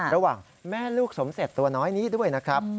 ระหว่างแม่ลูกสมเสร็จตัวน้อยนี้ด้วยนะครับ